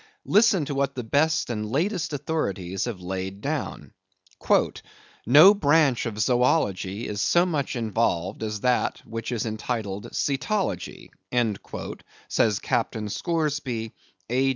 Listen to what the best and latest authorities have laid down. "No branch of Zoology is so much involved as that which is entitled Cetology," says Captain Scoresby, A.